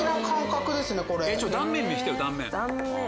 断面見せてよ断面。